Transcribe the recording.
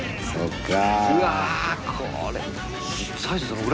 うわこれ。